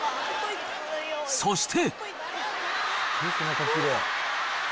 そして。